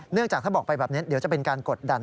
จากถ้าบอกไปแบบนี้เดี๋ยวจะเป็นการกดดัน